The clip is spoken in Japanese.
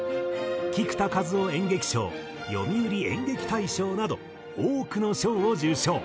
菊田一夫演劇賞読売演劇大賞など多くの賞を受賞。